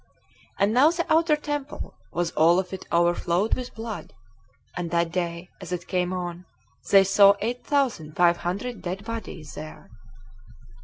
And now the outer temple was all of it overflowed with blood; and that day, as it came on, they saw eight thousand five hundred dead bodies there.